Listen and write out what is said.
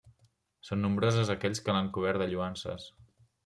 Són nombrosos aquells que l'han cobert de lloances.